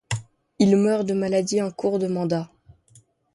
Il meurt de maladie en cours de mandat.